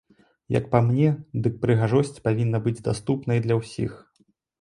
Як па мне, дык прыгажосць павінна быць даступнай для ўсіх.